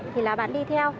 thì là bạn ấy đi theo